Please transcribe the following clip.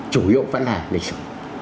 chủ yếu vẫn là lịch sử